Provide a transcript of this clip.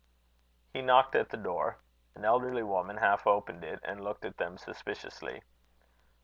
He knocked at the door. An elderly woman half opened it and looked at them suspiciously.